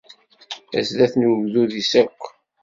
Sdat n ugdud-is akk.